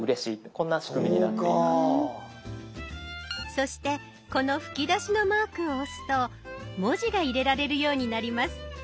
そしてこのふきだしのマークを押すと文字が入れられるようになります。